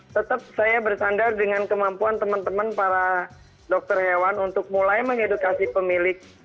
tetap saya bersandar dengan kemampuan teman teman para dokter hewan untuk mulai mengedukasi pemilik